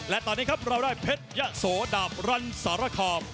และตอนนี้ครับเราได้เพชรยะโสดาบรันสารคาม